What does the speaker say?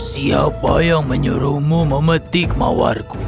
siapa yang menyuruhmu memetik mawarku